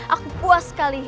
aku puas sekali